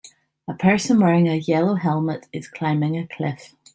A person wearing a yellow helmet is climbing a cliff